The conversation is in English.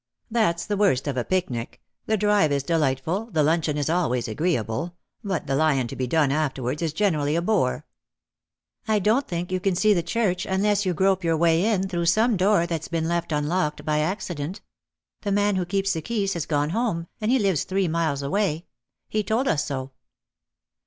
That's the worst of a picnic ; the drive is delightful, the luncheon is always agreeable; but the lion to be done afterwards is generally a bore." " I don't think you can see the church unless you grope your way in through some door that's been left unlocked by accident. The man who keeps the keys has gone home, and he lives three miles away. He told us so."